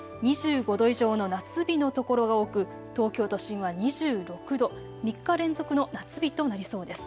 ２５度以上の夏日の所が多く東京都心は２６度、３日連続の夏日となりそうです。